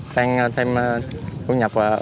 tăng thêm thu nhập